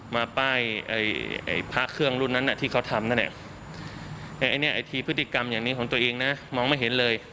มาป้ายพระเครื่องรุ่นนั้นที่เขาทำนั่นแหละไอ้เนี่ยไอ้ทีพฤติกรรมอย่างนี้ของตัวเองนะมองไม่เห็นเลย